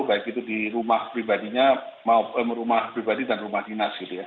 baik itu di rumah pribadinya rumah pribadi dan rumah dinas gitu ya